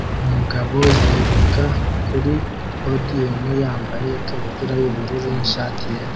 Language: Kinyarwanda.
Umugabo yiruka kuri podiyumu yambaye ikabutura y'ubururu n'ishati yera